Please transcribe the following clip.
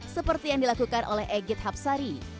seperti yang dilakukan oleh egit hapsari